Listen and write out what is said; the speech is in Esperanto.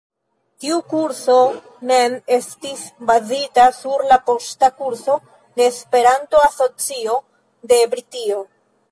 Tiu kurso mem estis bazita sur la poŝta kurso de Esperanto-Asocio de Britio.